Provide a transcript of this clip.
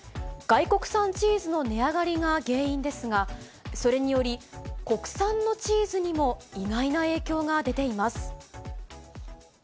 外国産チーズの値上がりが原因ですが、それにより、国産のチーズにも、意外な影響が出ています。